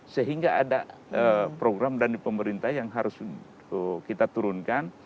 sehingga ada program dari pemerintah yang harus kita turunkan